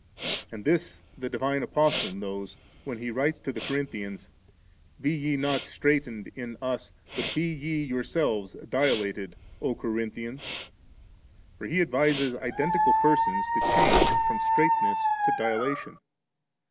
14. And this the divine Apostle knows, when he writes to the Corinthians, 'Be ye not strait ened in us, but be ye yourselves dilated, O Corinthians*;' for he advises identical persons to change from straitness to dilata tion.